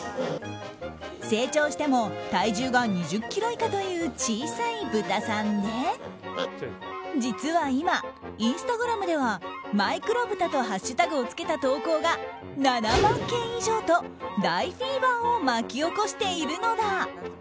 成長しても体重が２０ｋｇ以下という小さいブタさんで実は今、インスタグラムではマイクロブタとハッシュタグをつけた投稿が７万件以上と大フィーバーを巻き起こしているのだ。